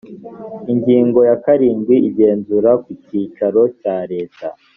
ingingo ya karindwi igenzura ku cyicaro cya leta